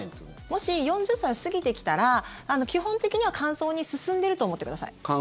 もし４０歳を過ぎてきたら基本的には乾燥に進んでると思ってください。